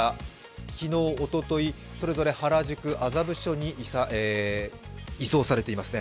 昨日、おととい、それぞれ原宿、麻布署に移送されていますね。